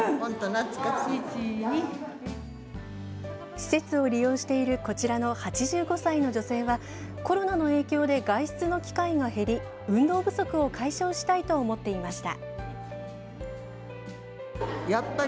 施設を利用しているこちらの８５歳の女性はコロナの影響で外出の機会が減り運動不足を解消したいと思っていました。